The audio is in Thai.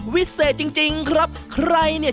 วิเศษจริงจริงครับใครเนี่ย